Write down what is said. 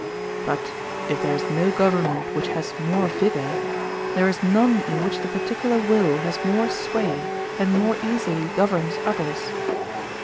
But if there is no government which has more vigor, there is none in which the particular will has more sway and more easily governs others.